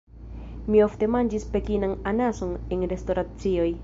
Mi ofte manĝis Pekinan Anason en restoracioj.